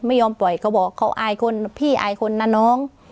ไม่ยอมปล่อยเขาบอกเขาอายคนพี่อายคนนะน้อง